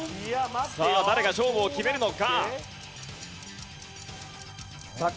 さあ誰が勝負を決めるのか？